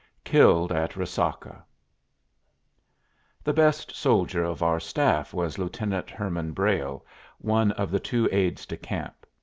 KILLED AT RESACA The best soldier of our staff was Lieutenant Herman Brayle, one of the two aides de camp.